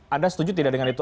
anda setuju tidak dengan itu